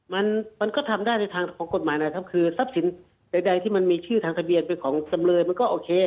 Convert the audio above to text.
มันมันก็ทำได้ในทางของกฎหมายนะครับคือทรัพย์สินใดที่มันมีชื่อทางทะเบียนเป็นของจำเลยมันก็โอเค